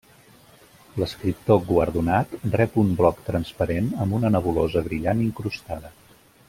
L'escriptor guardonat rep un bloc transparent amb una nebulosa brillant incrustada.